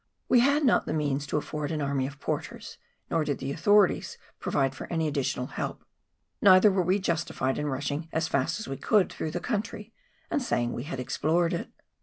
We had not the means to afford an army of porters, nor did the authorities provide for any addi tional help ; neither were we justified in rushing as fast as we could through the country and saying we had explored it.